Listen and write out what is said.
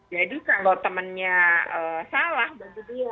jadi kalau temannya salah bagi dia